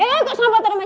eh kok sampah taruh meja